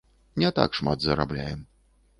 Не так шмат зарабляем.